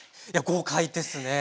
豪快です。